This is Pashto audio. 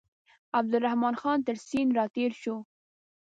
عبدالرحمن خان تر سیند را تېر شو.